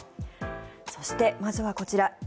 そして、まずはこちら。